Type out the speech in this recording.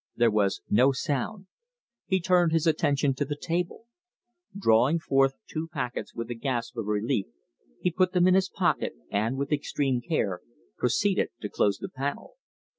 There was no sound. He turned his attention to the table. Drawing forth two packets with a gasp of relief, he put them in his pocket, and, with extreme care, proceeded to close the panel.